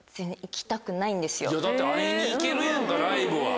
だって会いに行けるやんかライブは。